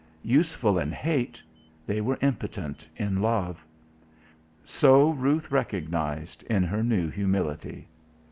Useful in hate, they were impotent in love. So Ruth recognised in her new humility.